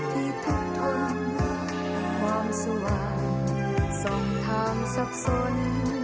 ที่ทุกข์ทรงหาความสว่างส่องทางสับสน